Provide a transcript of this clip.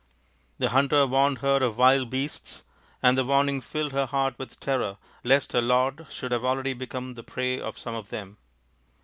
The hunter warned her of wild beasts, and the warning filled her heart with terror lest her lord should have already become the prey of some of them.